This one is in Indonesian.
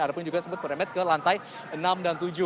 ada pun juga sempat berempet ke lantai enam dan tujuh